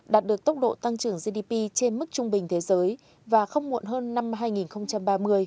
đạt được tốc độ tăng trưởng gdp trên mức trung bình thế giới và không muộn hơn năm hai nghìn ba mươi